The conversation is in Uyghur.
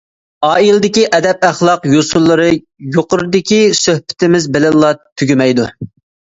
ئائىلىدىكى ئەدەپ-ئەخلاق يوسۇنلىرى يۇقىرىدىكى سۆھبىتىمىز بىلەنلا تۈگىمەيدۇ.